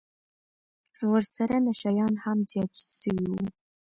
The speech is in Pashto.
ورسره نشه يان هم زيات سوي وو.